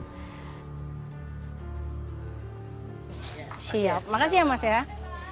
menurut pedagang beras ini dampak harga beras yang mereka dapatkan dari pusat yang juga naik turun